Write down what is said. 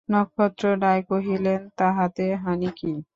নক্ষত্ররায় কহিলেন, তাহাতে হানি কী?